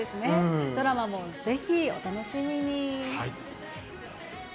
ドラマもぜひお楽しみに。